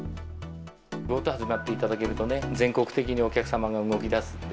ＧｏＴｏ始まっていただけるとね、全国的にお客様が動きだすので。